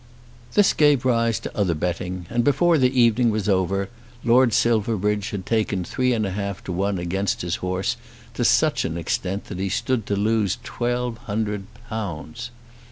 This gave rise to other betting, and before the evening was over Lord Silverbridge had taken three and a half to one against his horse to such an extent that he stood to lose twelve hundred pounds.